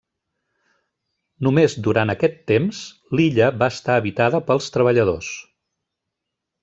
Només durant aquest temps l'illa va estar habitada pels treballadors.